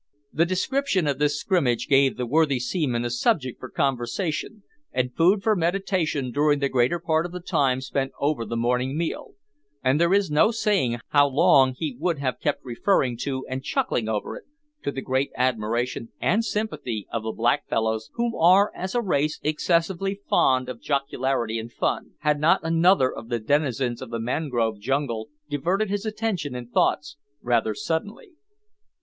The description of this scrimmage gave the worthy seaman a subject for conversation and food for meditation during the greater part of the time spent over the morning meal, and there is no saying how long he would have kept referring to and chuckling over it to the great admiration and sympathy of the black fellows, who are, as a race, excessively fond of jocularity and fun had not another of the denizens of the mangrove jungle diverted his attention and thoughts rather suddenly.